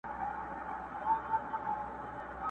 ډیري مو په هیله د شبقدر شوګیرۍ کړي!!